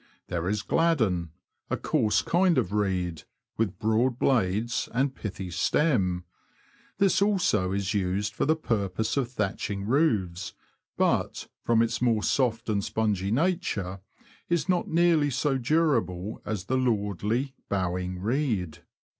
There is gladdon, a coarse kind of reed, with broad blades and pithy stem ; this also is used for the purpose of thatching roofs, but, from its more soft and spongy nature, is not nearly so durable as the lordly, bowing reed.